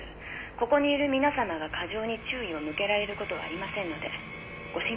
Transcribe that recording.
ここにいる皆さまが過剰に注意を向けられることはありませんのでご心配なく。